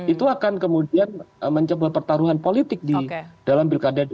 itu akan kemudian mencoba pertarungan politik di dalam bilkada dua ribu dua puluh empat